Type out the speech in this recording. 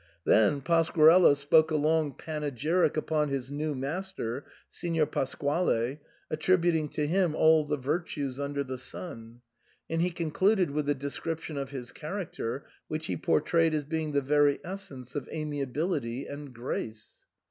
Then Pas quarello spoke a long panegyric upon his new master, Signor Pasquale, attributing to him all the virtues under the sun ; and he concluded with a description of his character, which he portrayed as being the very essence of amiability and grace.